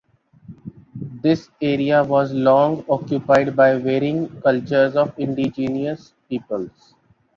This area was long occupied by varying cultures of indigenous peoples.